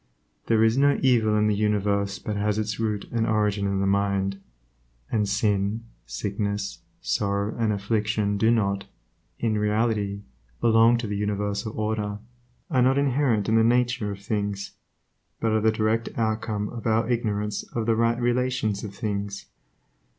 There is no evil in the universe but has its root and origin in the mind, and sin, sickness, sorrow, and affliction do not, in reality, belong to the universal order, are not inherent in the nature of things, but are the direct outcome of our ignorance of the right relations of things.